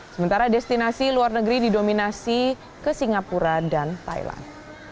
sementara destinasi luar negeri didominasi ke singapura dan thailand